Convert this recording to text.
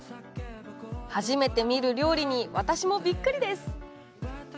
初めて見る料理に、私もびっくりです。